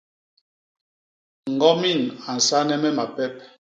Ñgomin a nsane me mapep.